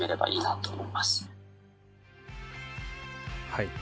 はい。